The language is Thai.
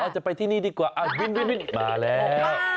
จะไปที่นี่ดีกว่าวินมาแล้ว